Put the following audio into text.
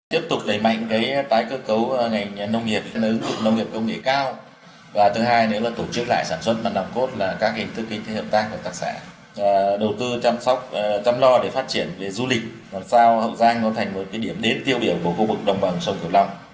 tiếp tục đẩy mạnh cái tái cơ cấu ngành nông nghiệp nâng lượng nông nghiệp công nghệ cao và thứ hai nữa là tổ chức lại sản xuất mà nằm cốt là các hình thức kinh tế hợp tác của các xã